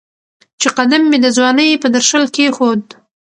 چې قدم مې د ځوانۍ په درشل کېښود